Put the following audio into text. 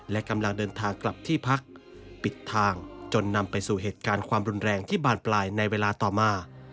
และกำลังเดินทางกลับที่พักปิดทางจนนำไปสู่เหตุการณ์ความรุนแรงที่บานปลายในเวลาต่อมา